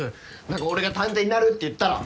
何か俺が探偵になるって言ったら。